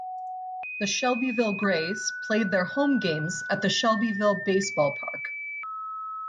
The Shelbyville Grays played their home games at the Shelbyville Base Ball Park.